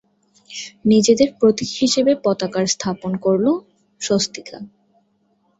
নিজেদের প্রতীক হিসেবে পতাকায় স্থাপন করলো স্বস্তিকা।